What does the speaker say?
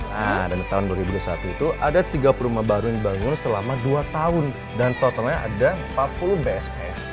nah dan tahun dua ribu dua puluh satu itu ada tiga puluh rumah baru yang dibangun selama dua tahun dan totalnya ada empat puluh bsps